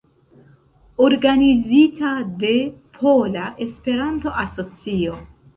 Organizita de Pola Esperanto-Asocio.